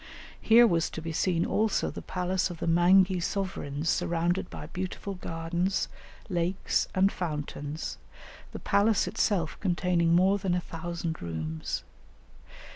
Here was to be seen also the palace of the Mangi sovereigns surrounded by beautiful gardens, lakes, and fountains, the palace itself containing more than a thousand rooms.